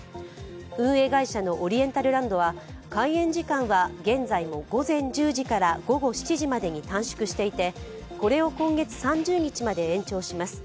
運営会社のオリエンタルランドは開園時間は現在も午前１０時から午後７時までに短縮していてこれを今月３０日まで延長します。